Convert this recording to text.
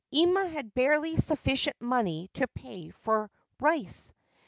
Ima had barely sufficient money to pay for rice.